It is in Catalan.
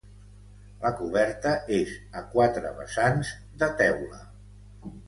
La coberta és a quatre vessants de teula.